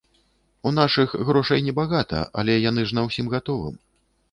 У нашых грошай небагата, але яны ж на ўсім гатовым.